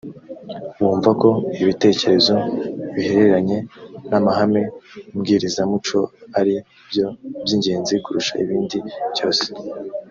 wumva ko ibitekerezo bihereranye n’amahame mbwirizamuco ari byo by’ingenzi kurusha ibindi byose